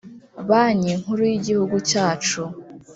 Banki Nkuru y,igihugu cyacu.